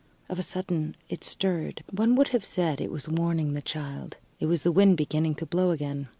Of a sudden it stirred. One would have said it was warning the child. It was the wind beginning to blow again.